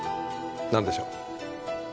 何でしょう？